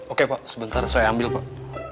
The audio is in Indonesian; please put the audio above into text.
oke pak sebentar saya ambil pak